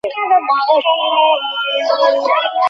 তিনি হতে পারবেন কির্খফের উত্তরসূরী এবং হেল্মহোলৎসের সহকর্মী।